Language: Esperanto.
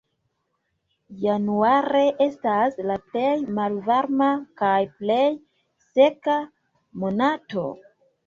Januare estas la plej malvarma kaj plej seka monato.